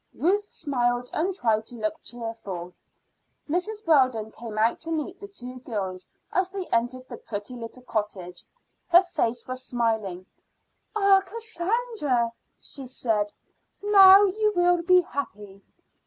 Ruth smiled and tried to look cheerful. Mrs. Weldon came out to meet the two girls as they entered the pretty little cottage. Her face was smiling. "Ah, Cassandra!" she said, "now you will be happy."